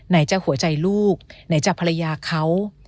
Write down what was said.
ไหนจะหัวใจลูกไหนจะภรรยาเขา